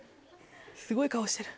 すごい顔してる。